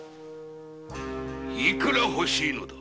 幾ら欲しいのだ？